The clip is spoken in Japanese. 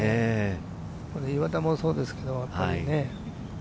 岩田もそうですけど。